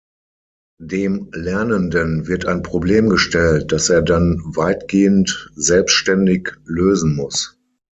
Dem Lernenden wird ein Problem gestellt, das er dann weitgehend selbstständig lösen muss.